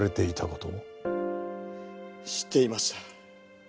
知っていました。